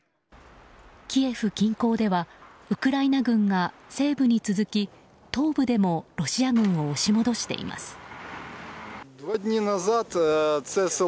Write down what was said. キエフ近郊ではウクライナ軍が西部に続き東部でもロシア軍を押し戻しています。